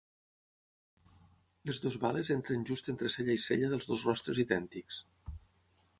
Les dues bales entren just entre cella i cella dels dos rostres idèntics.